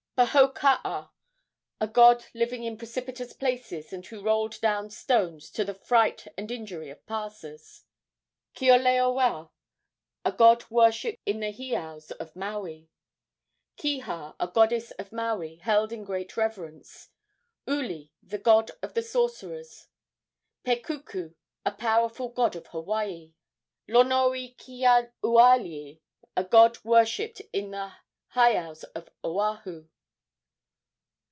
Pohakaa, a god living in precipitous places, and who rolled down stones, to the fright and injury of passers. Keoloewa, a god worshipped in the heiaus of Maui. Kiha, a goddess of Maui, held in great reverence. Uli, the god of the sorcerers. Pekuku, a powerful god of Hawaii. Lonoikeaualii, a god worshipped in the heiaus of Oahu.